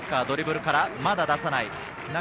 ドリブルから、まだ出さない。